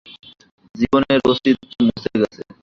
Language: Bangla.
জীবনের অস্তিত্ব মুছে গেছে।